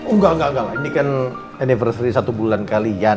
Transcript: enggak enggak lah ini kan anniversary satu bulan kalian